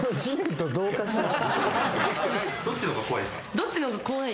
どっちの方が怖い？